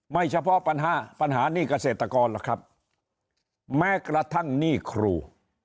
เฉพาะปัญหาปัญหาหนี้เกษตรกรหรอกครับแม้กระทั่งหนี้ครู